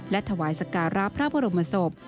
และถวายสการะพระบรมศพ